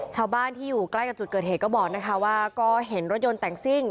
ชาวบ้านที่อยู่ใกล้กับจุดเกิดเหตุก็บอกนะคะว่าก็เห็นรถยนต์แต่งซิ่ง